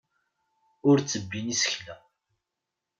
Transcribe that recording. Ur ttebbin isekla.